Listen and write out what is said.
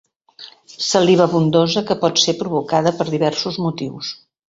Saliva abundosa que pot ser provocada per diversos motius.